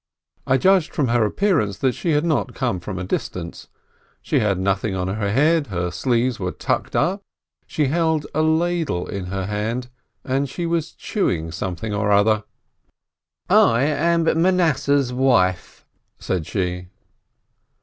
I judged from her appearance that she had not come from a distance. She had nothing on her head, her sleeves were tucked up, she held a ladle in her hand, and she was chewing something or other. "I am Manasseh's wife," said she.